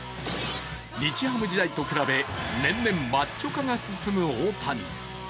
日ハム時代と比べ、年々マッチョ化が進む大谷。